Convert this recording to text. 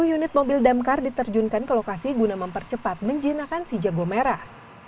satu unit mobil damkar diterjunkan ke lokasi guna mempercepat menjinakan si jago merah